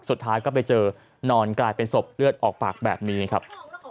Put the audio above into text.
สุดท้ายก็ไปเจอนอนกลายเป็นศพเลือดออกปากแบบนี้ครับ